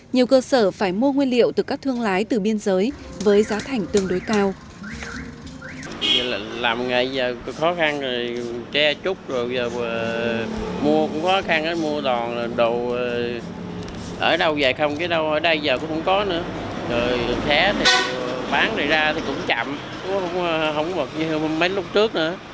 nhiều cơ sở phải mua nguyên liệu từ các thương lái từ biên giới với giá thành tương đối cao